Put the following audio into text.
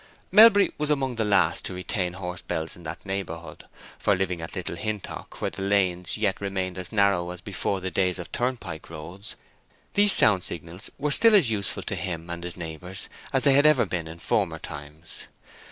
Melbury was among the last to retain horse bells in that neighborhood; for, living at Little Hintock, where the lanes yet remained as narrow as before the days of turnpike roads, these sound signals were still as useful to him and his neighbors as they had ever been in former times.